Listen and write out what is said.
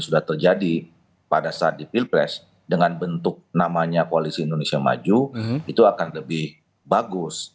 sudah terjadi pada saat di pilpres dengan bentuk namanya koalisi indonesia maju itu akan lebih bagus